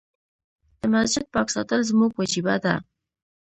د مسجد پاک ساتل زموږ وجيبه ده.